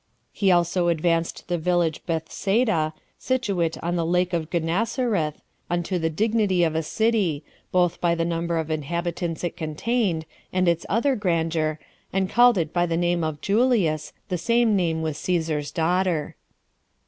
He also advanced the village Bethsaida, situate at the lake of Gennesareth, unto the dignity of a city, both by the number of inhabitants it contained, and its other grandeur, and called it by the name of Julias, the same name with Cæsar's daughter.